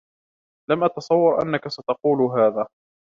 لم أتصور أنك ستقول هذا.